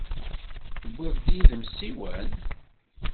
Tewwiḍ yid-m ssiwan?